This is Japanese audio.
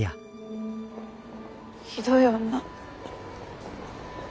ひどい女。